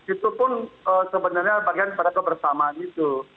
itu pun sebenarnya bagian pada kebersamaan itu